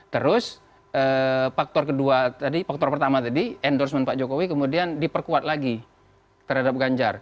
terus faktor kedua tadi faktor pertama tadi endorsement pak jokowi kemudian diperkuat lagi terhadap ganjar